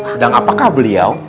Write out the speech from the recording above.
sedang apakah beliau